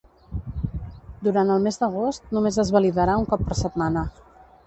Durant el mes d'agost només es validarà un cop per setmana.